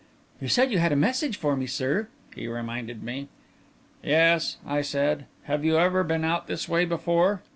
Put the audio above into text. "You said you had a message for me, sir," he reminded me. "Yes," I said. "Have you ever been out this way before?"